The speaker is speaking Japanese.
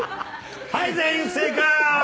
はい全員不正解！